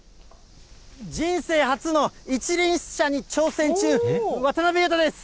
人生初の一輪車に挑戦中、渡辺裕太です。